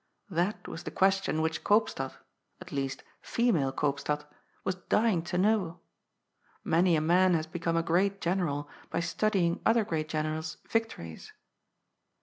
That was the question which Koopstad — ^at least female Koopstad — was dying to know. Many a man has become a great general by studying other great generals' victories.